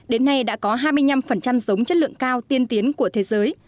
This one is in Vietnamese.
đến nay đã có hai mươi năm giống chất lượng cao tiên tiến của thế giới